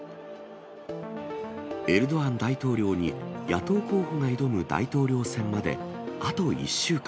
エルドアン大統領に野党候補が挑む大統領選まであと１週間。